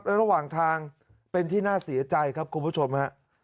ระหว่างทางเป็นที่น่าเสียใจครับคุณผู้ชมฮะ